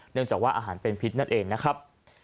เนื่องจากว่าอาหารเป็นพิษนั่นเองนะครับ